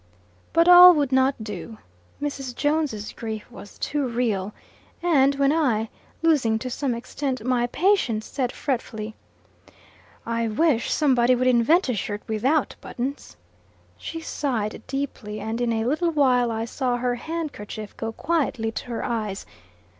But all would not do Mrs. Jones' grief was too real; and when I, losing to some extent, my patience, said fretfully, "I wish somebody would invent a shirt without buttons," she sighed deeply, and in a little while I saw her handkerchief go quietly to her eyes.